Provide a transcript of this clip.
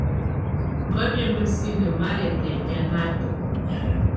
Mamɛ̀á mǝ́sinǝ́ mà lɛ̀ tɛ̀hianatɔ.